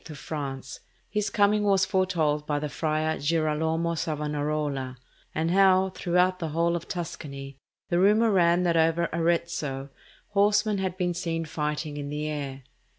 of France, his coming was foretold by the friar Girolamo Savonarola; and how, throughout the whole of Tuscany, the rumour ran that over Arezzo horsemen had been seen fighting in the air.